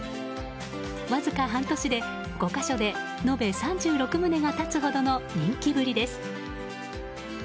わずか半年で５か所で延べ３６棟が建つほどの人気ぶりです。